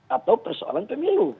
atau persoalan pemilu